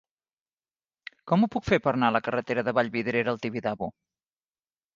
Com ho puc fer per anar a la carretera de Vallvidrera al Tibidabo?